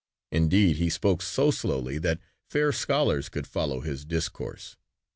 Indeed, he spoke so slowly that fair scholars could follow his discourse.